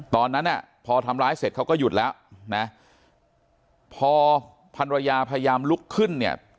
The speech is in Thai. ตอนนั้นพอทำร้ายเสร็จเขาก็หยุดแล้วพอภรรยาพยามลุกขึ้น